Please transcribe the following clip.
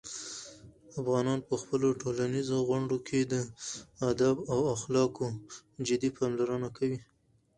افغانان په خپلو ټولنیزو غونډو کې د "ادب" او "اخلاقو" جدي پاملرنه کوي.